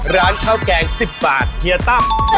ร้านข้าวแกง๑๐บาทเฮียตั้ม